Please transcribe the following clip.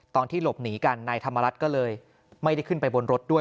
ตอนที่หลบหนีกันนายธรรมรัฐก็เลยไม่ได้ขึ้นไปบนรถด้วย